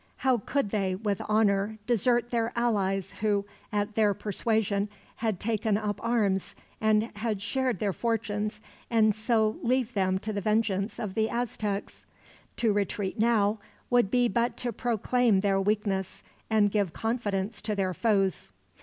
How could they, with honor, desert their allies who, at their persuasion, had taken up arms, and had shared their fortunes, and so leave them to the vengeance of the Aztecs? To retreat now would be but to proclaim their weakness, and give confidence to their foes.